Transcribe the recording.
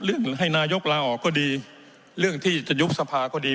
ให้นายกลาออกก็ดีเรื่องที่จะยุบสภาก็ดี